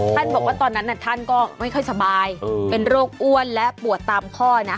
บอกว่าตอนนั้นท่านก็ไม่ค่อยสบายเป็นโรคอ้วนและปวดตามข้อนะ